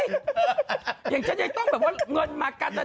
อย่างฉันนี่ต้องแบบว่ามันเงินมาการแสดงไป